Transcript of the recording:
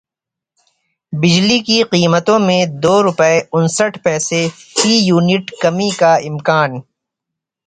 بجلی کی قیمتوں میں دو روپے انسٹھ پیسے فی یونٹ کمی کا امکان